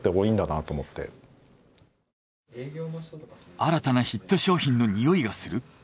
新たなヒット商品のにおいがする？